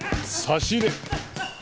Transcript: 差し入れ？